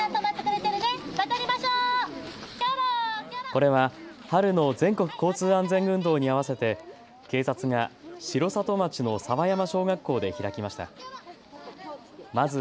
これは春の全国交通安全運動に合わせて警察が城里町の沢山小学校で開きました。